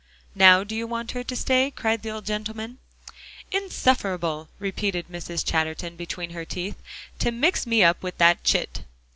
"Now do you want her to stay?" cried the old gentleman. "Insufferable!" repeated Mrs. Chatterton between her teeth, "to mix me up with that chit!"